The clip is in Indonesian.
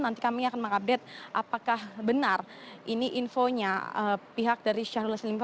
nanti kami akan mengupdate apakah benar ini infonya pihak dari syahrul yassin limpo